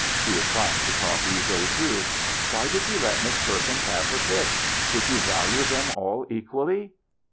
He was trying to talk easily too. " Why did you let Miss Perkins have her pick? Did you value them all equally